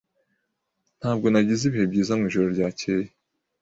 Ntabwo nagize ibihe byiza mwijoro ryakeye.